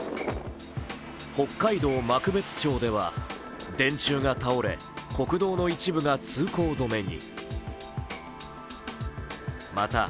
北海道幕別町では電柱が倒れ、国道の一部が通行止めに。